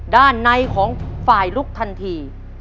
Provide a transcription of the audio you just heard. ด้านในของฝ่ายลุกทันที